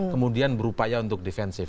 kemudian berupaya untuk defensif